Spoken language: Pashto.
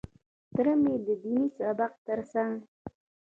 تره مې د ديني سبق تر څنګ.